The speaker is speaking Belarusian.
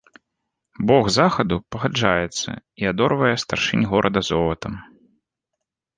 Бог захаду пагаджаецца і адорвае старшынь горада золатам.